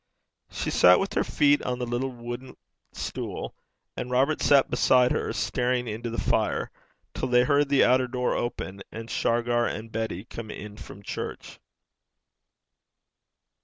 She sat with her feet on the little wooden stool, and Robert sat beside her staring into the fire, till they heard the outer door open, and Shargar and Betty come in from church.